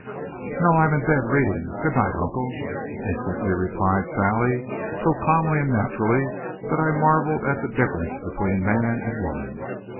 "No. I'm in bed, reading. Good night, Uncle," instantly replied Sally, so calmly and naturally that I marveled at the difference between man and woman.